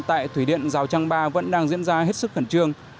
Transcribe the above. tại thủy điện giào trăng ba vẫn đang diễn ra hết sức khẩn trương